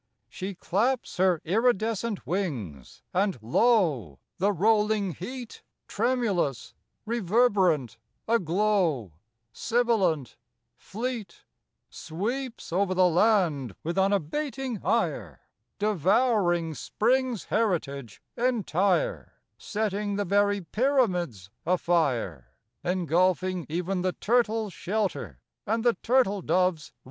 She claps her iridescent wings, and lo! The rolling heat, Tremulous, reverberant, a glow, Sibilant, fleet, Sweeps over the land with unabating ire, Devouring Spring's heritage entire, Setting the very pyramids a fire, Engulfing even the turtle's shelter and the turtle¬ dove's retreat.